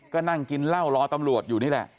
ก็นั่งกินเหล้ารอตำรวจอยู่นี่แหละ